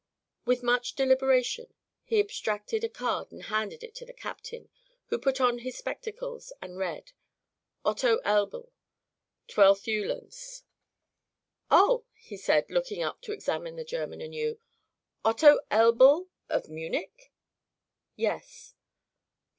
With much deliberation he abstracted a card and handed it to the captain, who put on his spectacles and read: "Otto Elbl. 12th Uhlans" "Oh," he said, looking up to examine the German anew. "Otto Elbl of Munich?" "Yes."